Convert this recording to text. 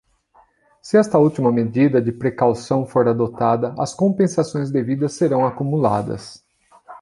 Se esta última medida de precaução for adotada, as compensações devidas serão acumuladas.